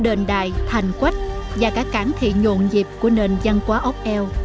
vùng đại thành quách và cả cảng thị nhuộn dịp của nền văn hóa ốc eo